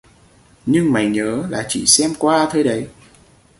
Nhưng mày Nhớ là chỉ xem qua thôi đấy